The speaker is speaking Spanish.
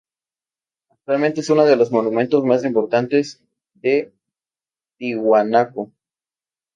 Actualmente es uno de los monumentos más importantes de Tiahuanaco.